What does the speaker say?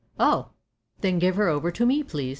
"Oh! then give her over to me, please.